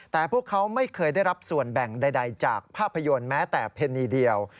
แต่พวกเขาไม่เคยได้รับส่วนแบ่งใดจากภาพยนตร์แม้แต่เพณีเดียว